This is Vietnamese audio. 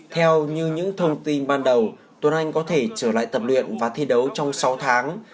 theo như những thông tin ban đầu tuấn anh có thể trở lại tập luyện và thi đấu trong sáu tháng